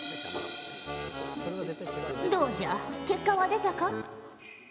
どうじゃ結果は出たか？